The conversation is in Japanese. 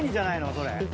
それ。